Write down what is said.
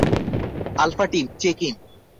Alpha team, check in.